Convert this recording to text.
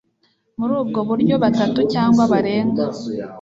muri ubwo buryo batatu cyangwa barenga